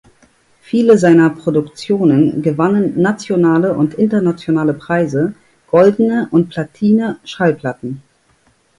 Viele seiner Produktionen gewannen nationale und internationale Preise, goldene und platine Schallplatten.